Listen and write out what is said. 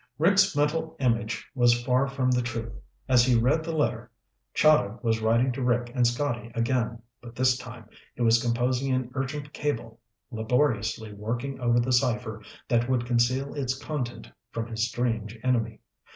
Rick's mental image was far from the truth. As he read the letter, Chahda was writing to Rick and Scotty again, but this time he was composing an urgent cable, laboriously working over the cipher that would conceal its content from his strange enemy.